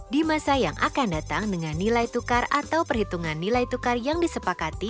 di masa yang akan datang dengan nilai tukar atau perhitungan nilai tukar yang disepakati